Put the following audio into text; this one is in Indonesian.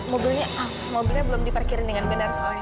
mobilnya ah mobilnya belum di parkirin dengan benar soalnya